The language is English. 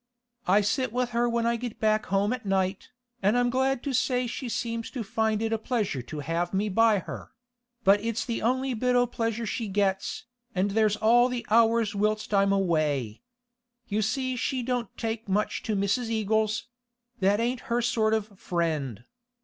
I sit with her when I get back home at night, an' I'm glad to say she seems to find it a pleasure to have me by her; but it's the only bit o' pleasure she gets, an' there's all the hours whilst I'm away. You see she don't take much to Mrs. Eagles; that ain't her sort of friend.